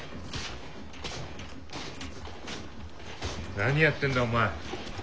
何やってんだお前。